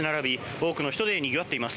多くの人でにぎわっています。